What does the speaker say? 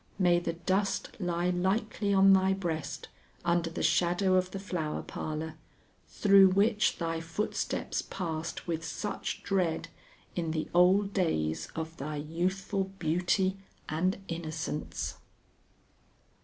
May the dust lie lightly on thy breast under the shadow of the Flower Parlor, through which thy footsteps passed with such dread in the old days of thy youthful beauty and innocence!